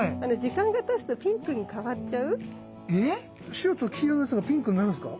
白と黄色のやつがピンクになるんですか？